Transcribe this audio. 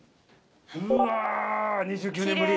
うわ２９年ぶり！